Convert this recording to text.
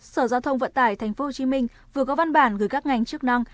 sở giao thông vận tải tp hcm vừa có văn bản gửi các ngành chức năng